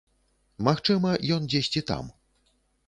Магчыма, ён дзесьці там.